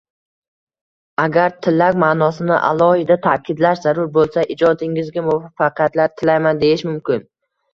Agar tilak maʼnosini alohida taʼkidlash zarur boʻlsa, Ijodingizga muvaffaqiyatlar tilayman deyish mumkin